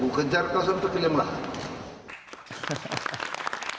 kukejar kau sampai keliam lahan